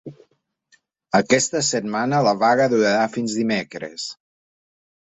Aquesta setmana la vaga durarà fins dimecres.